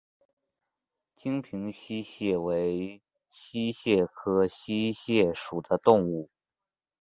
金平溪蟹为溪蟹科溪蟹属的动物。